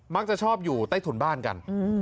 มักจะชอบอยู่ใต้ถุนบ้านกัน